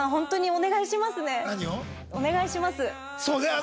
お願いします。